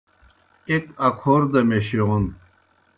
ایْک اکھور دہ میشِیون